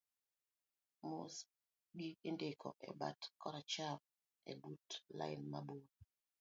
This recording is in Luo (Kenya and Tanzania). mosgi indiko e bat koracham ebut lain mabor